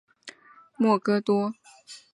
奥特罗县的县治为阿拉莫戈多。